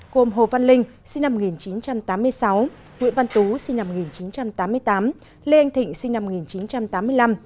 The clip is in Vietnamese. gồm hồ văn linh sinh năm một nghìn chín trăm tám mươi sáu nguyễn văn tú sinh năm một nghìn chín trăm tám mươi tám lê anh thịnh sinh năm một nghìn chín trăm tám mươi năm